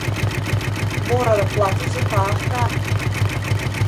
Мора да платиш за таа храна.